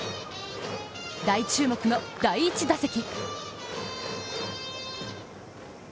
大注目の第１打席。